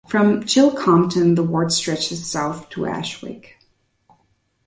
From "Chilcompton" the ward stretches south to Ashwick.